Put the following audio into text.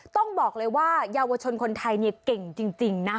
ต้องบอกเลยว่าเยาวชนคนไทยเนี่ยเก่งจริงนะ